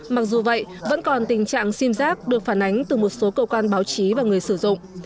mặc dù vậy vẫn còn tình trạng sim giác được phản ánh từ một số cơ quan báo chí và người sử dụng